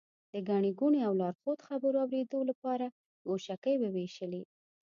د ګڼې ګوڼې او لارښود خبرو اورېدو لپاره ګوشکۍ ووېشلې.